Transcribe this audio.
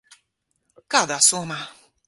Kādā somā?